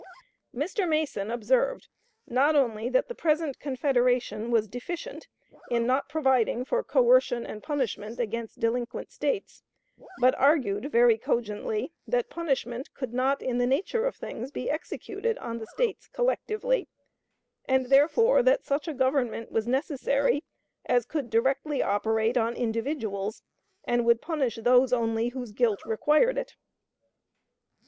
"Mr. Mason observed, not only that the present Confederation was deficient in not providing for coercion and punishment against delinquent States, but argued very cogently that punishment could not, in the nature of things, be executed on the States collectively; and, therefore, that such a Government was necessary as could directly operate on individuals, and would punish those only whose guilt required it."